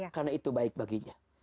karena itu baik baginya